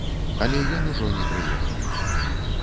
Але ён ужо не прыехаў.